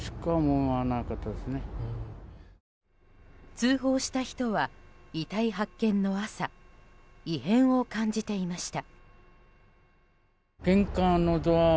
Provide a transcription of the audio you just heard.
通報した人は、遺体発見の朝異変を感じていました。